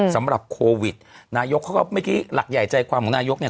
สำหรับโควิดนายกเขาก็เมื่อกี้หลักใหญ่ใจความของนายกเนี่ย